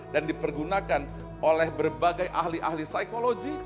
dan dipergunakan oleh berbagai ahli ahli psikologi